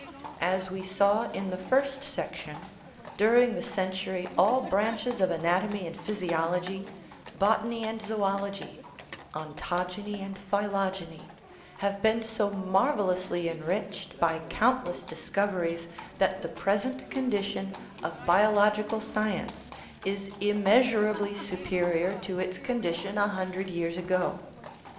As we saw in the first section, during the century all branches of anatomy and physiology, botany and zoology, ontogeny and phy logeny, have been so marvellously enriched by count less discoveries that the present condition of biological science is immeasurably superior to its condition a hundred years ago.